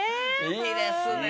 いいですね！